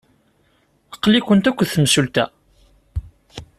Aql-ikent akked temsulta?